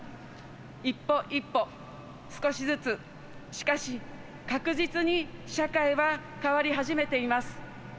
一歩一歩少しずつ、しかし確実に社会は変わり始めています。